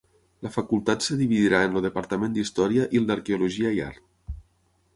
La facultat es dividirà en el departament d'història i el d'arqueologia i art.